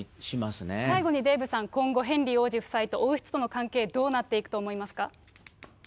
最後にデーブさん、今後、ヘンリー王子夫妻と王室との関係、どうなっていくと思いますか？